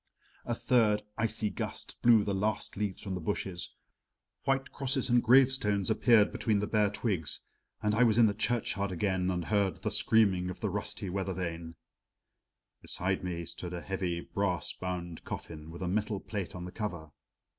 A third icy gust blew the last leaves from the bushes, white crosses and gravestones appeared between the bare twigs and I was in the churchyard again and heard the screaming of the rusty weather vane. Beside me stood a heavy brass bound coffin with a metal plate on the cover.